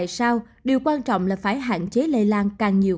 đây là lý do tại sao điều quan trọng là phải hạn chế lây lan càng nhiều càng nhiều